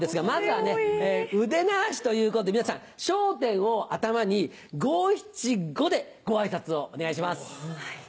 まずはね腕慣らしということで皆さん『笑点』を頭に五・七・五でご挨拶をお願いします。